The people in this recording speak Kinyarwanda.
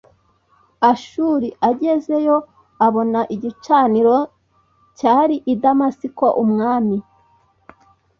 ashuri agezeyo abona igicaniro n cyari i damasiko umwami